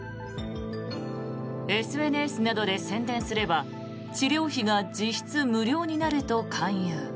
ＳＮＳなどで宣伝すれば治療費が実質無料になると勧誘。